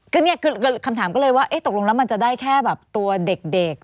ก็เนี่ยคือคำถามก็เลยว่าตกลงแล้วมันจะได้แค่แบบตัวเด็ก